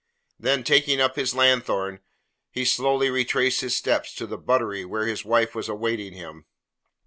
Then, taking up his lanthorn, he slowly retraced his steps to the buttery where his wife was awaiting him.